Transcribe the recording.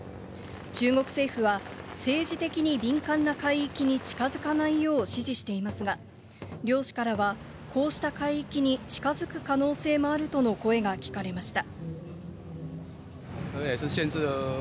中国政府は、政治的に敏感な海域に近づかないよう指示していますが、漁師からは、こうした海域に近づく可能性もあるとの声が聞かれました。